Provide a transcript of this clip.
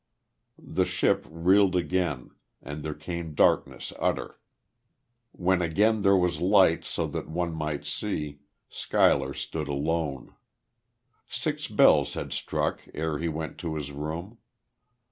The ship reeled again, and there came darkness utter.... When again there was light so that one might see, Schuyler stood alone. Six bells had struck ere he went to his room.